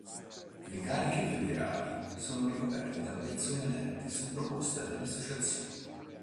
Le cariche federali sono ricoperte da persone elette su proposta delle associazioni.